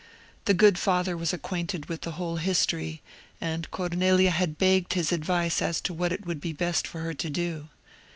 The good Father was acquainted with the whole history, and Cornelia had begged his advice as to what it would be best for her to do.